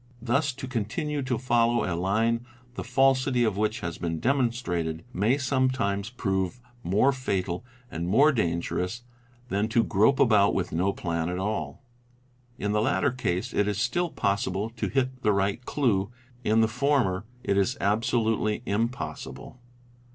Thus to continue to follow a line the falsity of which has been demonstrated, may sometimes prove more fatal and more dangerous than to grope about with no plan at all: in the latter case it is still possible to hit the right clue, in the former it is absolutely impossible.